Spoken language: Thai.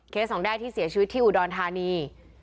สองแด้ที่เสียชีวิตที่อุดรธานี